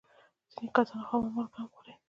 ځینې کسان خامه مالګه هم خوري.